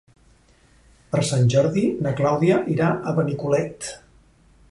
Per Sant Jordi na Clàudia irà a Benicolet.